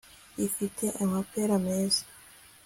ifite amapera meza